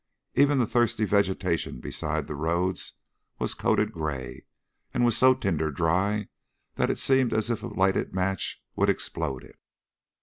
Even the thirsty vegetation beside the roads was coated gray, and was so tinder dry that it seemed as if a lighted match would explode it.